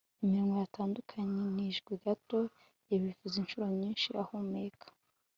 iminwa yatandukanijwe gato. yabivuze inshuro nyinshi ahumeka